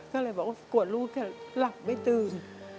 ก็เลยบอกว่ากลัวลูกจะหลับไม่ตื่น